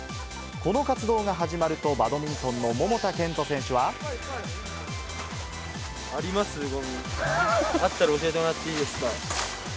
この活動が始まると、バドミントンの桃田賢斗選手は。あります？